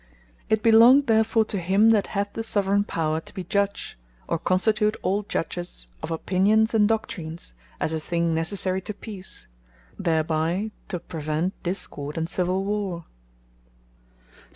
It belongeth therefore to him that hath the Soveraign Power, to be Judge, or constitute all Judges of Opinions and Doctrines, as a thing necessary to Peace, thereby to prevent Discord and Civill Warre.